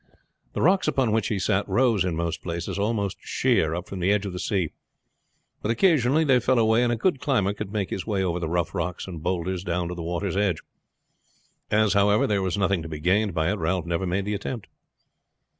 The rocks upon which he sat rose in most places almost sheer up from the edge of the sea; but occasionally they fell away, and a good climber could make his way over the rough rocks and bowlders down to the water's edge. As, however, there was nothing to be gained by it, Ralph never made the attempt.